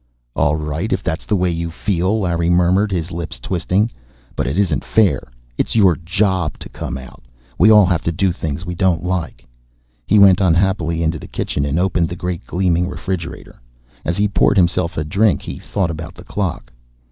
"All right, if that's the way you feel," Larry murmured, his lips twisting. "But it isn't fair. It's your job to come out. We all have to do things we don't like." He went unhappily into the kitchen and opened the great gleaming refrigerator. As he poured himself a drink he thought about the clock.